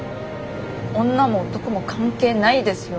女も男も関係ないですよ。